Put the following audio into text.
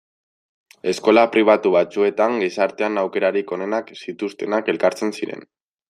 Eskola pribatu batzuetan gizartean aukerarik onenak zituztenak elkartzen ziren.